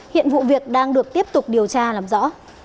hiện vụ việc đang được tiếp tục điều tra làm rõ